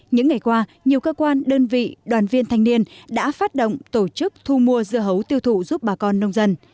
những ngày qua nhiều cơ quan đơn vị đoàn viên thanh niên đã phát động tổ chức thu mua dưa hấu tiêu thụ giúp bà con nông dân